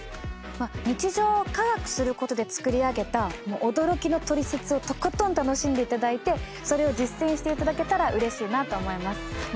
日常を科学することで作り上げた驚きのトリセツをとことん楽しんでいただいてそれを実践していただけたらうれしいなぁと思います。